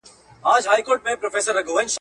د سرطان ژوندي پاتې کېدل د سکرینینګ سره تړلي دي.